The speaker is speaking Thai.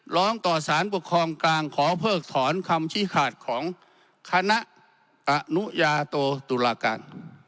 ร้องต่อสารปกครองกลางขอเพิกถอนคำชี้ขาดของคณะอนุญาโตตุลาการ